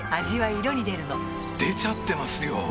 味は色に出るの出ちゃってますよ！